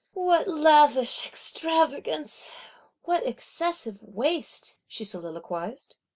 "What lavish extravagance! What excessive waste!" she soliloquised.